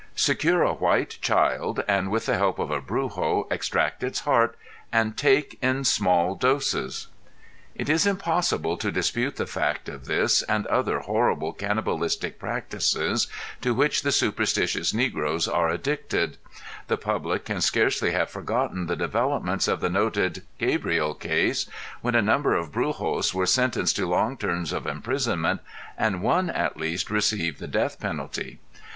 Secure a white child and with the help of a brujo extract its heart and take in small doses!! It is impossible to dispute the fact of this and other horrible cannibalistic practices to which the superstitious negros are addicted; the public can scarcely have forgotten the developments of the noted "Gabriel Case" when a number of Brujos were sentenced to long terms of imprisonment and one at least received the death penalty.